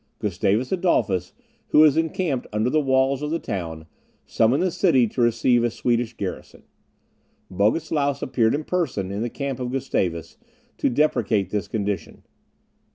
Gustavus Adolphus, who was encamped under the walls of the town, summoned the city to receive a Swedish garrison. Bogislaus appeared in person in the camp of Gustavus, to deprecate this condition.